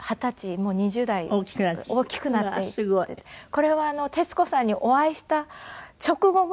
これは徹子さんにお会いした直後ぐらいにまた。